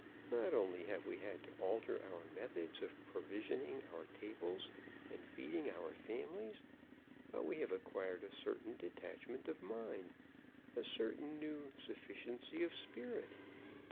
Not only have we had to alter our methods of provisioning our tables and feeding our families, but we have acquired a certain detachment of mind, a certain new sufficiency of spirit."